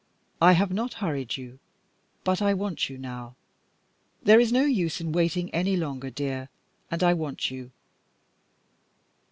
I have not hurried you, but I want you now. There is no use in waiting any longer, dear, and I want you."